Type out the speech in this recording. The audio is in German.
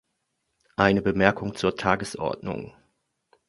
Eine Bemerkung zur Tagesordnung.